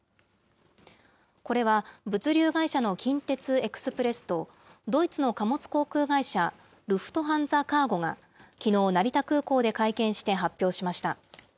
これは、物流会社の近鉄エクスプレスと、ドイツの貨物航空会社、ルフトハンザカーゴが、きのう、成田空港で会見して発表しました。